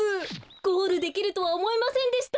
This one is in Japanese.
ゴールできるとはおもいませんでした。